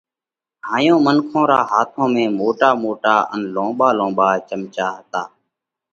هائيون منکون رون هاٿون ۾ موٽا موٽا ان لونٻا لونٻا چمچا هتا